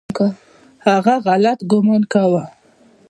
هغه غلط ګومان کاوه .